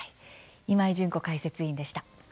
今井純子解説委員でした。